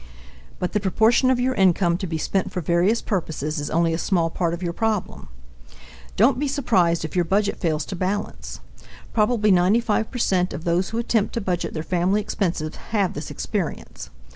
But the proportion of your income to be spent for various purposes is only a small part of your problem. Don't be surprised if your budget fails to balance. Probably 95 percent of those who attempt to budget their family expenses have this experience.